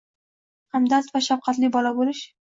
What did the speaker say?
Hamdard va shafqatli bo‘la olish.